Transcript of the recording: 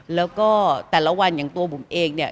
แล้วก็แต่ละวันอย่างตัวบุ๋มเองเนี่ย